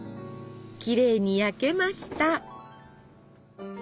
きれいに焼けました。